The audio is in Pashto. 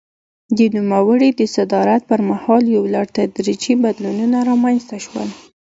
د نوموړي د صدارت پر مهال یو لړ تدریجي بدلونونه رامنځته شول.